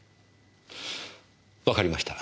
わかりました。